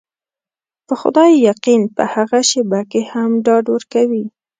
په خدای يقين په هغه شېبه کې هم ډاډ ورکوي.